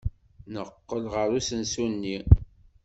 Neqqel ɣer usensu-nni.